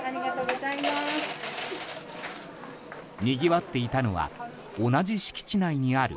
にぎわっていたのは同じ敷地内にある